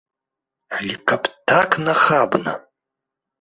Але каб так нахабна!